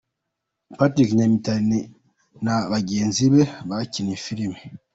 Patrick Nyamitali na bagenzi be bakina filme.